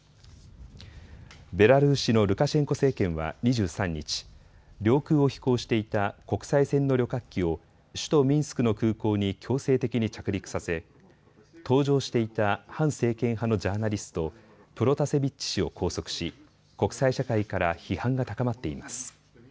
ベラルーシのルカシェンコ政権は２３日、領空を飛行していた国際線の旅客機を首都ミンスクの空港に強制的に着陸させ、搭乗していた反政権派のジャーナリスト、プロタセビッチ氏を拘束し、国際社会から批判が高まっています。